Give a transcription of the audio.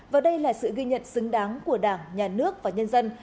và đây là sự ghi nhận xứng đáng của đảng nhà nước và nhân dân